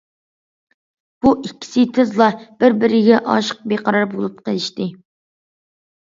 بۇ ئىككىسى تېزلا« بىر بىرىگە ئاشىق بىقارار بولۇپ قېلىشتى».